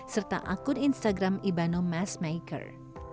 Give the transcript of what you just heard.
serta akun instagram ibanomassmaker